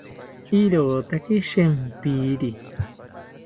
Irotaki shempiri